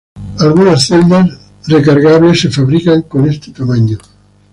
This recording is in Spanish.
Algunas celdas recargables se fabrican con este tamaño.